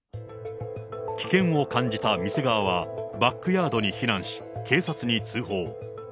危険を感じた店側は、バックヤードに避難し、警察に通報。